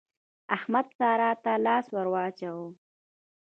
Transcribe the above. احمد سارا ته لاس ور واچاوو.